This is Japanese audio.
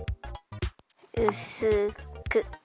うすく。